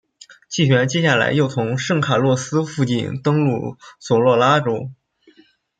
气旋接下来又从圣卡洛斯附近登陆索诺拉州。